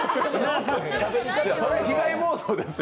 それは被害妄想ですよ。